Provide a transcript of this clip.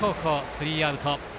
スリーアウトです。